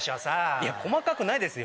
いや細かくないですよ。